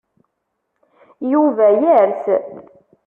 Yuba yers.